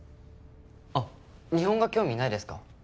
あっ日本画興味ないですか？